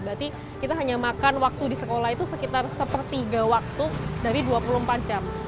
berarti kita hanya makan waktu di sekolah itu sekitar sepertiga waktu dari dua puluh empat jam